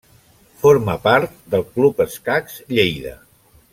Forma part del Club Escacs Lleida.